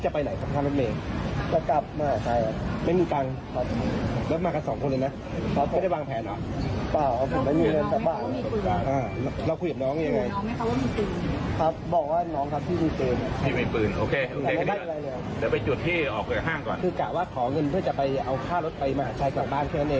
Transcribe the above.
ไปมาหาชัยกลับบ้านแค่นั้นเองครับ